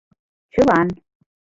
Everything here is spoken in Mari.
— Чылан.